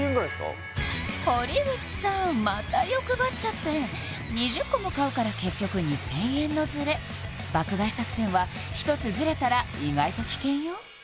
堀口さんまた欲張っちゃって２０個も買うから結局２０００円のズレ爆買い作戦は１つズレたら意外と危険よ